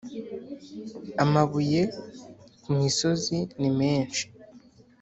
amabuye ku misozi nimenshi